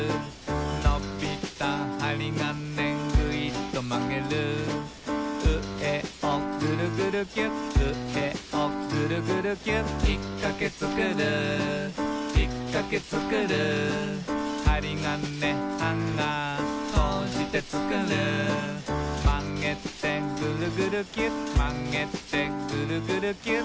「のびたはりがねグイッとまげる」「上をぐるぐるキュッ」「上をぐるぐるキュッ」「きっかけつくるきっかけつくる」「はりがねハンガーこうしてつくる」「まげてぐるぐるキュッ」「まげてぐるぐるキュッ」